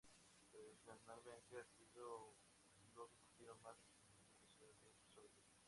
Tradicionalmente ha sido el club deportivo más representativo de la Ciudad de Sóller.